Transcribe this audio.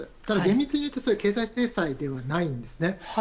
ただ厳密にいうと、それは経済制裁ではないんですね。